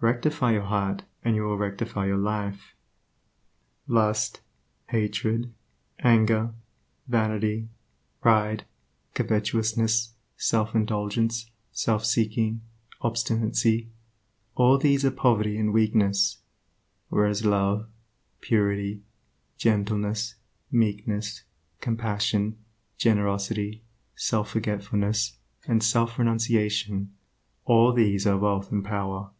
Rectify your heart, and you will rectify your life. Lust, hatred, anger, vanity, pride, covetousness, self indulgence, self seeking, obstinacy, all these are poverty and weakness; whereas love, purity, gentleness, meekness, compassion, generosity, self forgetfulness, and self renunciation, all these are wealth and power.